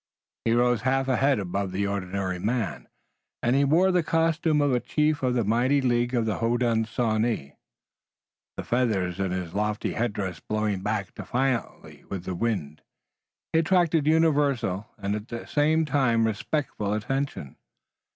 He rose half a head above the ordinary man, and he wore the costume of a chief of the mighty League of the Hondenosaunee, the feathers in his lofty headdress blowing back defiantly with the wind. He attracted universal, and at the same time respectful, attention.